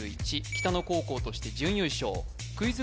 北野高校として準優勝クイズ